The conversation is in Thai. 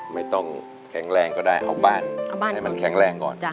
ไม่ต้องแข็งแรงก็ได้เอาบ้านให้มันแข็งแรงก่อน